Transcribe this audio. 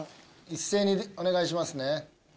一斉にお願いしますね。